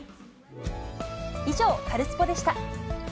以上、カルスポっ！でした。